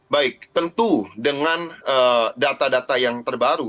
baik tentu dengan data data yang terbaru